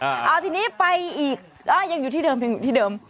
เอาทีนี้ไปอีกยังอยู่ที่เดิมยังอยู่ที่เดิม